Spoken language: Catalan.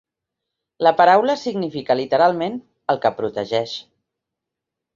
La paraula significa literalment "el que protegeix".